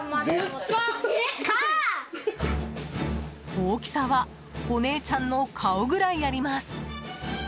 大きさはお姉ちゃんの顔ぐらいあります。